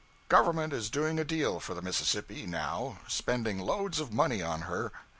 Government is doing a deal for the Mississippi, now spending loads of money on her.